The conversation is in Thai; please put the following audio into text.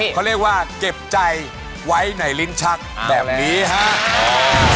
เขาเรียกว่าเก็บใจไว้ในลิ้นชักแบบนี้ครับ